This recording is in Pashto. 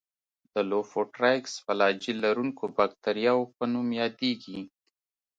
د لوفوټرایکس فلاجیل لرونکو باکتریاوو په نوم یادیږي.